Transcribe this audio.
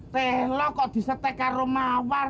teh lo kok disetek karo mawar